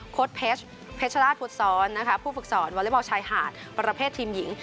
โค้ดเพชรราชพุทธศรผู้ฝึกศรวอลเล็ตบอลชายหาดประเภททีมหญิง